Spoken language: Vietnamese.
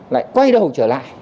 lại quay đầu trở lại